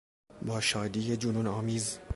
با شادی جنون آمیز